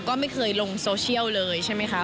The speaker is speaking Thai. ก็ไม่เคยลงโซเชียลเลยใช่ไหมคะ